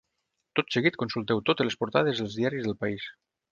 Tot seguit consulteu totes les portades dels diaris del país.